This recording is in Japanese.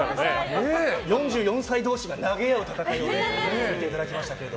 ４４歳同士が投げ合う戦いを見てもらいましたけども。